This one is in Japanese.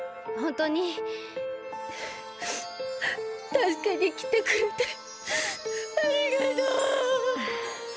たすけにきてくれてありがとう。